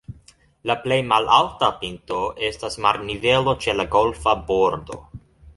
La plej malalta pinto estas marnivelo ĉe la golfa bordo.